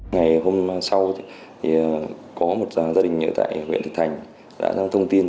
ngày hôm sau thì có một gia đình ở tại huyện thực thành đã ra thông tin